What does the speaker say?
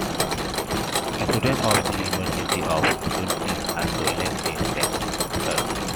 Students of the University of Dundee also elect a Rector.